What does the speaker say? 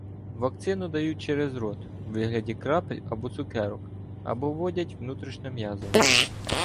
Вакцину дають через рот, у вигляді крапель або цукерок, або вводять внутрішньом'язово.